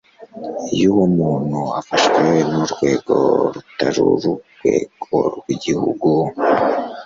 Iyo uwo muntu afashwe n'urwego rutari Urwego rw'Igihugu